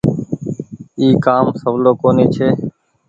اي ڪآ م سولو ڪونيٚ ڇي ۔